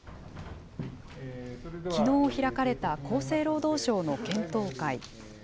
きのう開かれた厚生労働省の検討会。